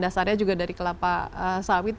dasarnya juga dari kelapa sawit